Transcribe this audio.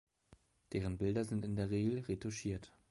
Deren Bilder sind in der Regel retuschiert.